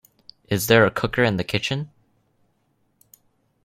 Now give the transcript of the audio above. Is there a cooker in the kitchen?